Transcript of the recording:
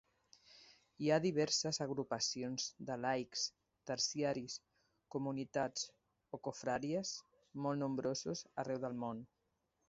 Hi ha diverses agrupacions de laics terciaris, comunitats o confraries, molt nombrosos arreu del món.